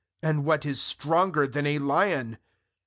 And what is stronger than a lion?